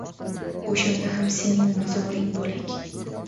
O‘shanda ham sening mozoring bo‘lak.